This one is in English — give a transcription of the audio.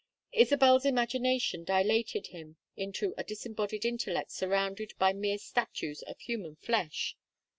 Isabel's imagination dilated him into a disembodied intellect surrounded by mere statues of human flesh.